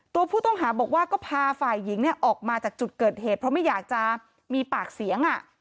ตัวผู้ต้องหาบอกว่าก็พาฝ่ายหญิงออกมาจากจุดเกิดเหตุเพราะไม่อยากจะมีปากเสียง